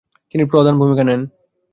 তিনি প্রধান ভূমিকা নেন।